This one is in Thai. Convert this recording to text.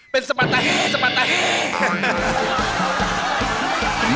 เป็นสปาดไหนสปาดไหน